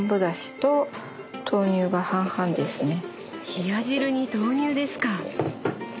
冷や汁に豆乳ですか！